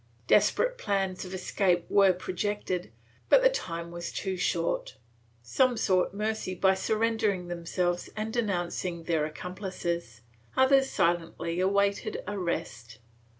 Desperate plans of escape were projected, but the time was too short. Some sought mercy by surrendering themselves and denouncing their accom plices; others silently awaited arrest.